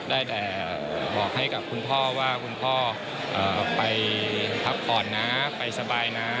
ได้แต่บอกให้กับคุณพ่อว่าคุณพ่อไปพักผ่อนนะไปสบายนะ